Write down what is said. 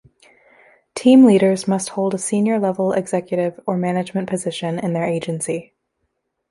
Team leaders must hold a senior level executive or management position in their agency.